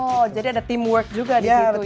oh jadi ada teamwork juga di situ ya